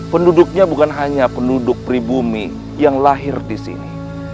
penduduknya bukan hanya penduduk pribumi yang lahir di sini